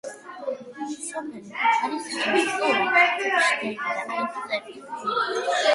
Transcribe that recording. სოფელში არის საჯარო სკოლა სოფელში დაიბადა აკაკი წერეთელი.